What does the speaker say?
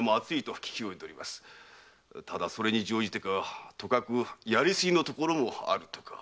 ただそれに乗じてかとかくやりすぎのところもあるとか。